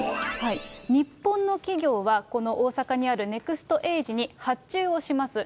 日本の企業は、この大阪にあるネクストエージに発注をします。